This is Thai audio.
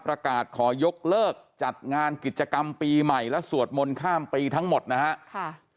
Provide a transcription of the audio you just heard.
ประกาศขอยกเลิกจัดงานกิจกรรมปีใหม่และสวดมนต์ข้ามปีทั้งหมดนะฮะค่ะ